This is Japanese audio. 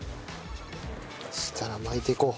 そしたら巻いていこう。